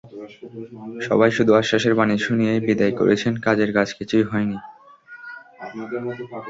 সবাই শুধু আশ্বাসের বাণী শুনিয়েই বিদায় করেছেন কাজের কাজ কিছুই হয়নি।